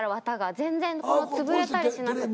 全然潰れたりしなくて。